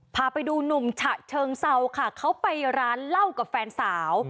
พาไปดูหนุ่มฉะเชิงเซาค่ะเขาไปร้านเหล้ากับแฟนสาว